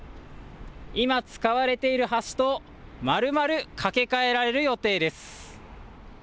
今使われている橋とまるまる架け替えられる予定です。